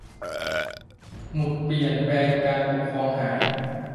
หมุดเปลี่ยนแปลงการปกครองหาย